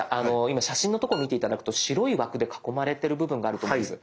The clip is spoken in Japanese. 今写真のとこ見て頂くと白い枠で囲まれてる部分があると思うんです。